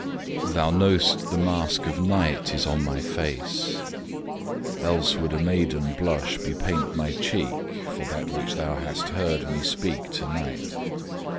Thou know'st the mask of night is on my face; Else would a maiden blush bepaint my cheek For that which thou hast heard me speak to night.